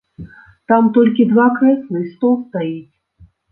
Там толькі два крэслы й стол стаіць.